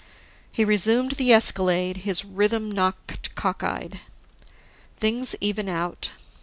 He resumed the escalade, his rhythm knocked cockeyed. Things even out.